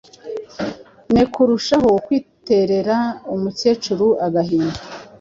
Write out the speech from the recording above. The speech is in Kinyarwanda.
nekurushaho kwiterera umukecuru agahinda.